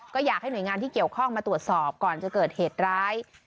ก็อยากให้หน่วยงานที่เกี่ยวข้องมาตรวจสอบก่อนจะเกิดเหตุร้าย